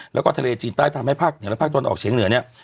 แล้วก็ทะเลจีนใต้ทำให้ภาคเหนือและภาคตะวันออกเฉียงเหนือเนี่ย